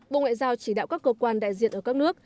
bộ ngoại giao chỉ đạo các cơ quan đại diện ở các nước